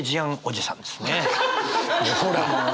ほら。